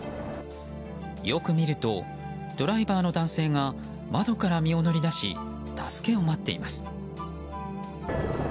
よく見るとドライバーの男性が窓から身を乗り出し助けを待っています。